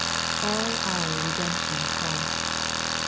2. All our redemption cost.